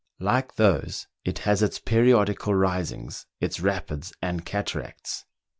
Like those, it has its periodical risings, its rapids and cataracts.